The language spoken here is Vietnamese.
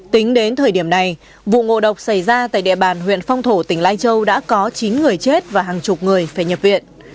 tính đến thời điểm này vụ ngộ độc xảy ra tại địa bàn huyện phong thổ tỉnh lai châu đã có chín người chết và hàng chục người phải nhập viện